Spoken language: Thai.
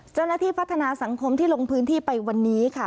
เจ้าหน้าที่พัฒนาสังคมที่ลงพื้นที่ไปวันนี้ค่ะ